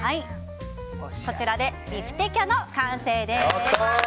こちらでビフテキャの完成です。